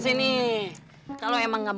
ini karena hassan